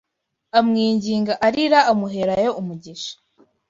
amwinginga arira Amuherayo umugisha.